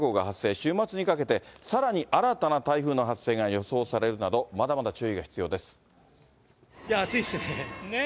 週末にかけて、さらに新たな台風の発生が予想されるなど、まだまだ注意が必要でいやあ、暑いっすね。